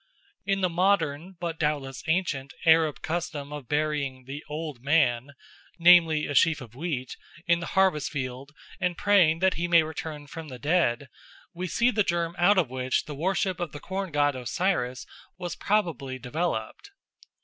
In the modern, but doubtless ancient, Arab custom of burying "the Old Man," namely, a sheaf of wheat, in the harvest field and praying that he may return from the dead, we see the germ out of which the worship of the corn god Osiris was probably developed.